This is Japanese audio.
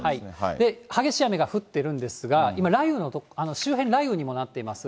激しい雨が降ってるんですが、今、雷雨の、周辺、雷雨にもなっています。